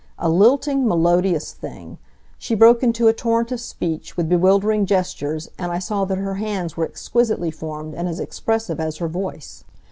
A lilting, melodious thing. She broke into a torrent of speech, with bewildering gestures, and I saw that her hands were exquisitely formed and as expressive as her voice.